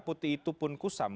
putih itu pun kusam